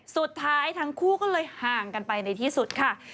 สุดท้ายทั้งคู่ก็เลยห่างกันไปในที่สุดค่ะ